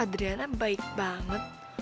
adriana baik banget